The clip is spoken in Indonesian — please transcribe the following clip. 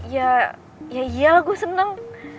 ya ya gue seneng